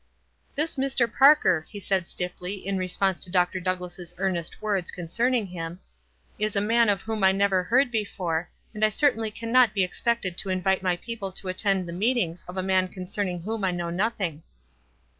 "This Mr. Parker," he said, stiffly, in re sponse to Dr. Douglass' earnest words concern ing him, "is a man of whom I never heard be fore, and I certainly cannot be expected to in vite my people to attend the meetings of a man concerning whom I know nothing."